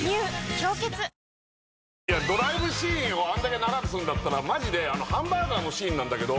「氷結」ドライブシーンをあんだけ長くするんだったらマジでハンバーガーのシーンなんだけど。